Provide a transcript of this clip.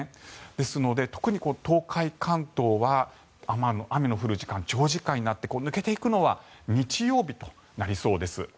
ですので、特に東海、関東は雨の降る時間が長時間になって抜けていくのは日曜日となりそうです。